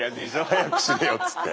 早く死ねよっつって。